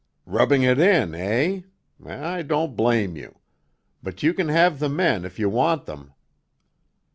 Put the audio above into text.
"Rubbing it in, eh? I don't blame you! But you can have the men if you want them."